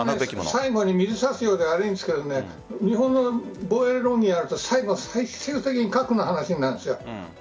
最後に水を差すようで悪いんですが日本の防衛論議は最終的に核の話になるんです。